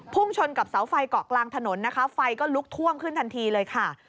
ชนกับเสาไฟเกาะกลางถนนนะคะไฟก็ลุกท่วมขึ้นทันทีเลยค่ะ